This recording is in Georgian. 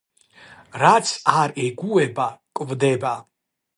რაც არ ეგუება – კვდება.